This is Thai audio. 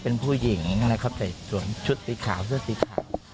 เป็นผู้หญิงนะครับใส่สวมชุดสีขาวเสื้อสีขาว